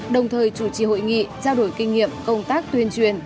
đồng thời chủ trì hội nghị trao đổi kinh nghiệm công tác tuyên truyền